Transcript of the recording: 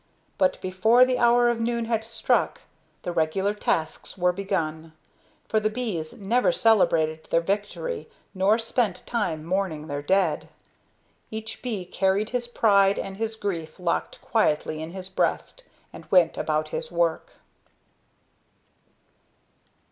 But before the hour of noon had struck, the regular tasks were begun; for the bees neither celebrated their victory nor spent time mourning their dead. Each bee carried his pride and his grief locked quietly in his breast and went about his work.